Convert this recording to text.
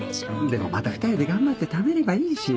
でもまた２人で頑張ってためればいいし。